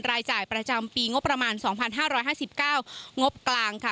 รายจ่ายประจำปีงบประมาณสองพันห้าร้อยห้าสิบเก้างบกลางค่ะ